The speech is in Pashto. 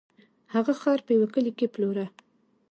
هغه خر په یوه کلي کې پلوره.